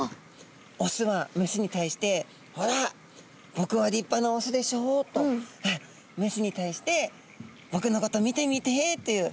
オスはメスに対して「ほら僕は立派なオスでしょう」とメスに対して「僕のこと見てみて」という。